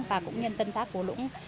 và cũng nhân dân xã cổ lũng